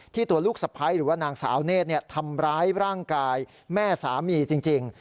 ตัวลูกสะพ้ายหรือว่านางสาวเนธทำร้ายร่างกายแม่สามีจริง